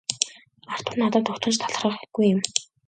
Артур надад огтхон ч талархахгүй юм.